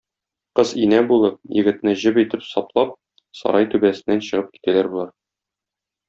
Кыз инә булып, егетне җеп итеп саплап, сарай түбәсеннән чыгып китәләр болар.